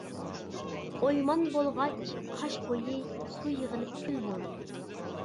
ئويمان بولغاچ قاش بويى، سۇ يىغىلىپ كۆل بولدى.